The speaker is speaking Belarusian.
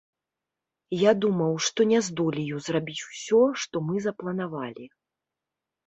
Я думаў, што не здолею зрабіць ўсё, што мы запланавалі.